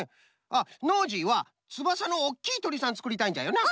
あっノージーはつばさのおっきいとりさんつくりたいんじゃよな？